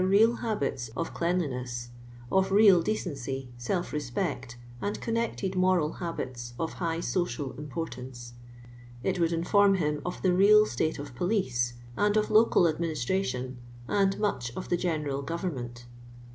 'iil habits of clean liiif^K!, of roal drcciicy, solf lospect, and con nected moral hahits of hi^h social importance. It would inform Iiim of the real state of pulice, and of local admini:»tr.itii>n, ai.d much of the general governnunl.